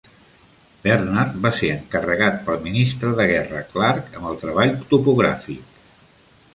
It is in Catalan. Bernard va ser encarregat pel ministre de guerra Clarke amb el treball topogràfic.